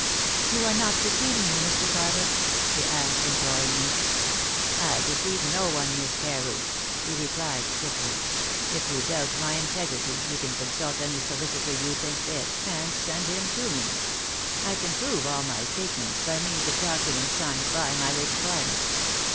"You are not deceiving me, Mr. Carver?" she asked imploringly. "I deceive no one, Miss Carew," he replied stiffly. "If you doubt my integrity, you can consult any solicitor you think fit, and send him to me. I can prove all my statements by means of documents signed by my late client."